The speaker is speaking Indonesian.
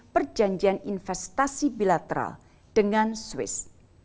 perjanjian investasi bilateral dengan swiss